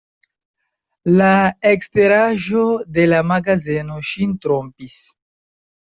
La eksteraĵo de la magazeno ŝin trompis.